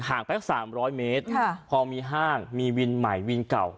ห่างไปสามร้อยเมตรค่ะพอมีห้างมีวินใหม่วินเก่า